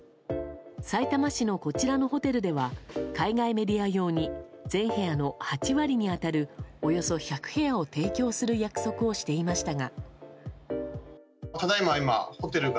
さいたま市のこちらのホテルでは海外メディア用に全部屋の８割に当たるおよそ１００部屋を提供する約束をしていましたが。